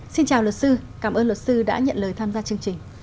xin chào luật sư cảm ơn luật sư đã nhận lời tham gia chương trình